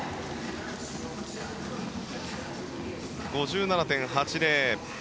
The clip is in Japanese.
５７．８０。